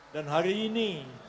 dan hari ini